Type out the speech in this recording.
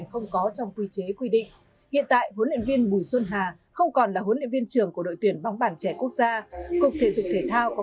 chúng tôi cũng xác định cái vụ việc này cũng là một cái bài học rất lớn cho bản dụng thể thao